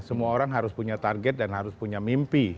semua orang harus punya target dan harus punya mimpi